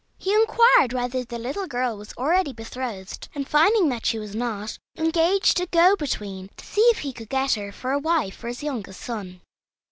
He inquired whether the little girl was already betrothed, and, finding that she was not, engaged a go between to see if he could get her for a wife for his youngest son.